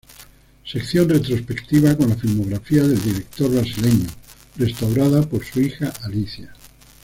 Sección retrospectiva con la filmografía del director brasileño, restaurada por su hija Alicia.